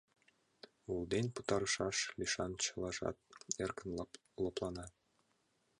Улден пытарышаш лишан чылажат эркын лыплана.